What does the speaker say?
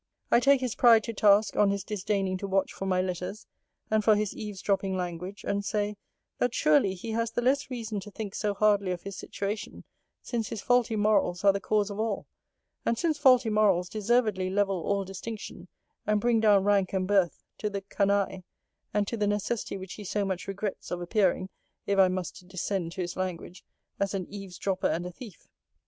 I take his pride to task, on his disdaining to watch for my letters; and for his eves dropping language: and say, 'That, surely, he has the less reason to think so hardly of his situation; since his faulty morals are the cause of all; and since faulty morals deservedly level all distinction, and bring down rank and birth to the canaille, and to the necessity which he so much regrets, of appearing (if I must descent to his language) as an eves dropper and a thief.